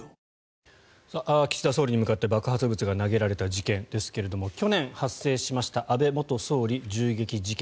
岸田総理に向かって爆発物が投げられた事件ですが去年発生しました安倍元総理銃撃事件。